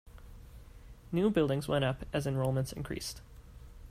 New buildings went up as enrollments increased.